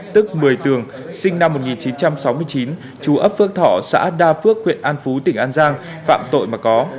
tức một mươi tường sinh năm một nghìn chín trăm sáu mươi chín chú ấp phước thọ xã đa phước huyện an phú tỉnh an giang phạm tội mà có